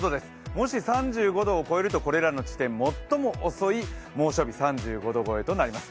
もし３５度を超えるとこれらの地点最も遅い３５度超えとなります。